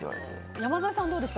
山添さんはどうですか？